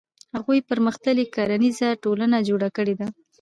هغوی پرمختللې کرنیزه ټولنه جوړه کړې ده.